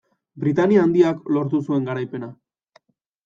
Britainia Handiak lortu zuen garaipena.